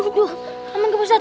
aduh aman ke ustadz